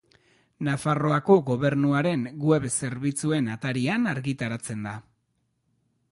Nafarroako Gobernuaren web zerbitzuen atarian argitaratzen da.